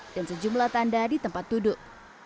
dan sejumlah tanda di tempat duduk